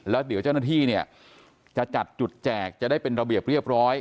แล้วเดี๋ยวเจ้าหน้าที่เนี่ยจะจัดจุดแจกจะได้เป็นระเบียบเรียบร้อย